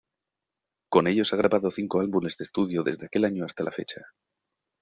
Con ellos ha grabado cinco álbumes de estudio desde aquel año hasta la fecha.